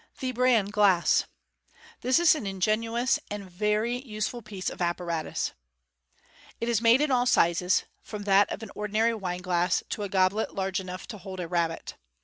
The Bran Glass. — This is an ingenious and very useful piece of apparatus. It is made in all sizes, from that of an ordinary wine glass to a goblet large enough to hold a rabbit.